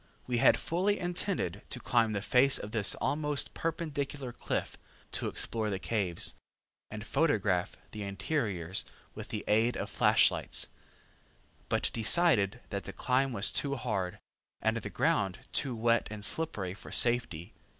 We had fully intended to climb the face of this almost perpendicular cliff, to explore the caves, and photograph the interiors with the aid of flashlights, but decided that the climb was too hard, and the ground too wet and slippery for safety.